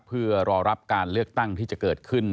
เพื่อรอรับการเลือกตั้งที่จะเกิดขึ้น